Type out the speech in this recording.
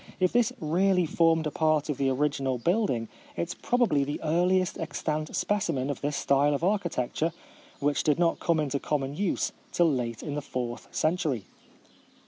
If this really formed a part of the original build ing, it is probably the earliest ex tant specimen of this style of archi tecture, which did not come into common use till late in the fourth century B.